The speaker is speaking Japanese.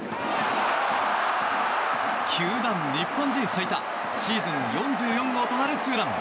球団日本人最多シーズン４４号となるツーラン。